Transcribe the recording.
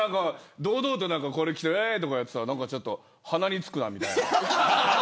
堂々とこれ着ていえーいとかやっていたらちょっと鼻につくな、みたいな。